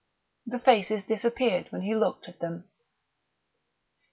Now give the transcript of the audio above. The faces disappeared when he looked at them.